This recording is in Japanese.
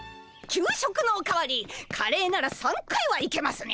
給食のお代わりカレーなら３回はいけますね。